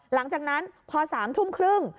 หลังจากนั้นพอ๓ทุ่มครึ่ง